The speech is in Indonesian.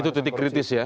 itu titik kritis ya